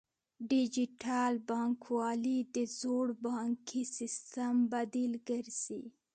ډیجیټل بانکوالي د زوړ بانکي سیستم بدیل ګرځي.